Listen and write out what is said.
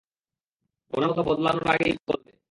ওনার মত বদলানোর আগেই কল দে।